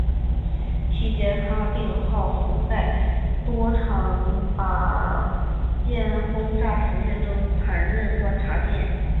期间哈定号曾在多场靶舰轰炸实验中担任观察舰。